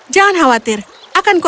jangan khawatir akan kembali